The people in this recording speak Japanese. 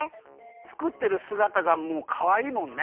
つくってるすがたがもうかわいいもんね。